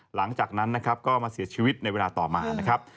หลังจากนั้นนะครับก็มาเสียชีวิตในเวลาต่อมานะครับ